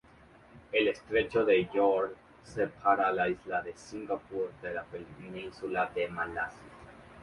El estrecho de Johor separa la isla de Singapur de la península de Malasia.